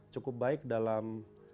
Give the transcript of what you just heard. cukup baik dalam